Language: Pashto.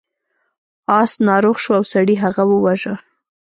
اس ناروغ شو او سړي هغه وواژه.